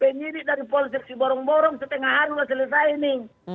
penyidik dari polisi borong borong setengah hari masih disahini